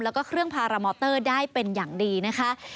แล้วก็เครื่องพารามอเตอร์ได้เป็นอย่างดีนะคะ